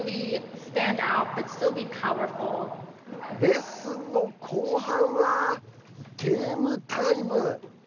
レッスンの後半はゲームタイム。